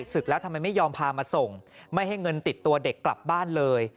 ศึกแล้วทำไมไม่ยอมพามาส่งไม่ให้เงินติดตัวเด็กกลับบ้านเลย